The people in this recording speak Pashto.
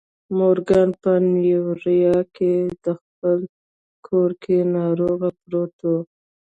مورګان په نيويارک کې په خپل کور کې ناروغ پروت و.